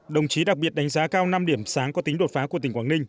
đồng chí đặc biệt đánh giá cao năm điểm sáng có tính đột phá của tỉnh quảng ninh